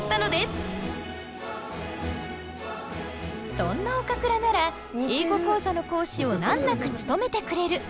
そんな岡倉なら「英語講座」の講師を難なく務めてくれる。